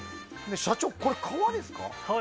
社長、これ革ですか？